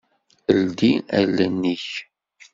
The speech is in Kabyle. Ldi allen-ik.